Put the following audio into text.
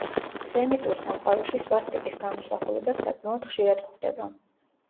სემიტურ სამყაროში სვასტიკის გამოსახულება საკმაოდ ხშირად გვხვდება.